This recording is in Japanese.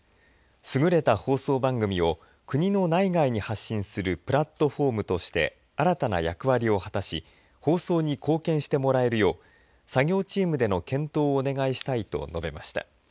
優れた放送番組を国の内外に発信するプラットフォームとして新たな役割を果たし放送に貢献してもらえるよう作業チームでの検討をお願いしたいと述べました。